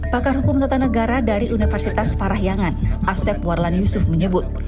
pakar hukum tata negara dari universitas parahyangan asep warlan yusuf menyebut